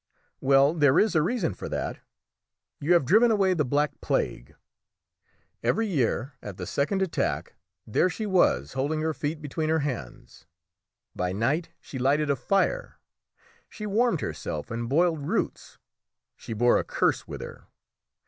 "Well, there is a reason for that. You have driven away the Black Plague! Every year at the second attack there she was holding her feet between her hands. By night she lighted a fire; she warmed herself and boiled roots. She bore a curse with her.